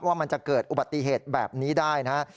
ว่ามันจะเกิดอุบัติเหตุแบบนี้ได้นะครับ